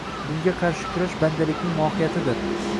Bunga qarshi kurash bandalikning mohiyatidir.